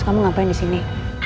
kamu ngapain disini